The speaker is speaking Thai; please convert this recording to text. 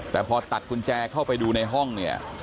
แต่พอตัดกุญแจเข้าไปดูในห้องเนี่ย